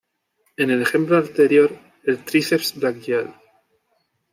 En el ejemplo anterior, el tríceps braquial.